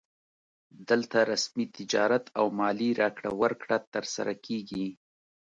دلته رسمي تجارت او مالي راکړه ورکړه ترسره کیږي